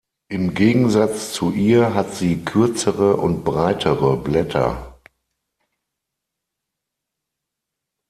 Im Gegensatz zu ihr hat sie kürzere und breitere Blätter.